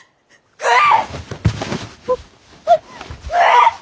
食え！